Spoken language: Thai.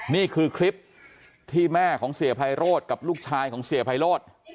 นี่คือคลิปที่แม่ของเสียไพโรธกับลูกชายของเสียไพโรธ